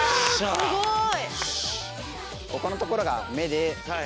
えすごい！